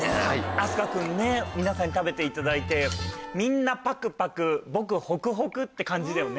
阿須加君ね皆さんに食べていただいてみんなパクパク僕ホクホクって感じだよね。